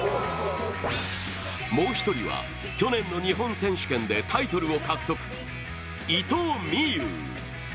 もう一人は、去年の日本選手権でタイトルを獲得、伊藤美優。